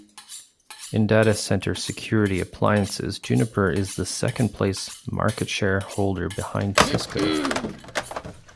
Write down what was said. In data center security appliances, Juniper is the second-place market-share holder behind Cisco.